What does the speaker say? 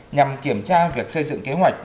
nhằm kiểm tra việc xây dựng kế hoạch